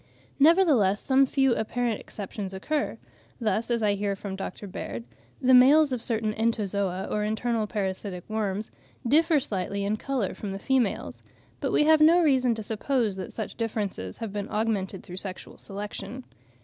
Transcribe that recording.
Nevertheless some few apparent exceptions occur; thus, as I hear from Dr. Baird, the males of certain Entozoa, or internal parasitic worms, differ slightly in colour from the females; but we have no reason to suppose that such differences have been augmented through sexual selection.